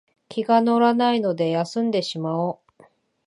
気が乗らないので休んでしまおう